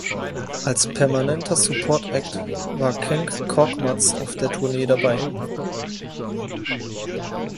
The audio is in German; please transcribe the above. Als permanenter Support Act war Cenk Korkmaz auf der Tournee dabei.